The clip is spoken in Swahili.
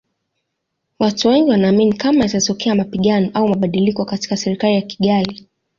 Watu Wengi wanaamini kama yatatokea mapigano au mabadiliko katika Serikali ya Kigali